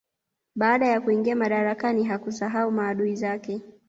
Baada ya kuingia madarakani hakusahau maadui zake